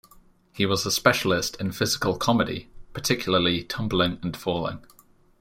He was a specialist in physical comedy; particularly tumbling and falling.